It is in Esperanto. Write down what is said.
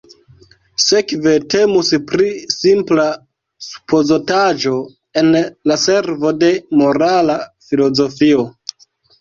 Sekve temus pri simpla supozotaĵo en la servo de morala filozofio.